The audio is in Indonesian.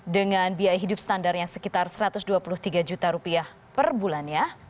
dengan biaya hidup standarnya sekitar satu ratus dua puluh tiga juta rupiah per bulannya